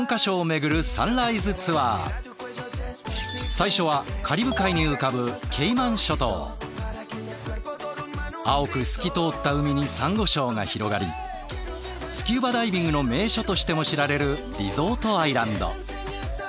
最初はカリブ海に浮かぶ青く透き通った海にサンゴ礁が広がりスキューバダイビングの名所としても知られるリゾートアイランド。